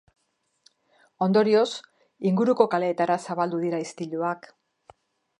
Ondorioz, inguruko kaleetara zabaldu dira istiluak.